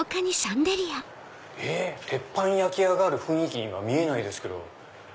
えっ鉄板焼き屋がある雰囲気には見えないですけど。